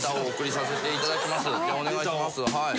お願いしますはい。